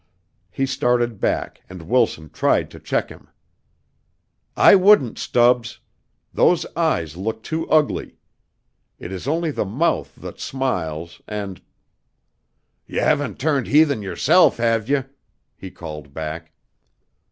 He started back and Wilson tried to check him. "I wouldn't, Stubbs. Those eyes look too ugly. It is only the mouth that smiles and " "Ye haven't turned heathen yerself, have ye?" he called back.